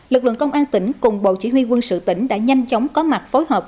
lực lượng công an tỉnh cùng bộ chỉ huy quân sự tỉnh đã nhanh chóng có mặt phối hợp